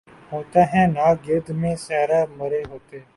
ہوتا ہے نہاں گرد میں صحرا مرے ہوتے